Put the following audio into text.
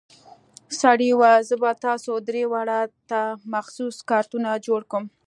سړي وويل زه به تاسو درې واړو ته مخصوص کارتونه جوړ کم.